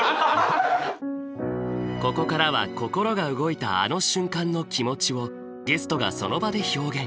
ここからは心が動いたあの瞬間の気持ちをゲストがその場で表現。